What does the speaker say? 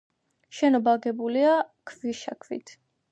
შენობა აგებულია ქვიშაქვით.